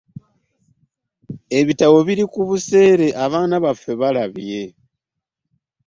Ebitabo biri ku buseere! Abaana baffe balabye.